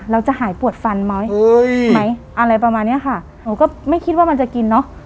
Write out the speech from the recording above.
เราจะหายปวดฟันไหมไหมอะไรประมาณเนี้ยค่ะหนูก็ไม่คิดว่ามันจะกินเนอะ